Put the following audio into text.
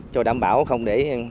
cho đảm bảo không để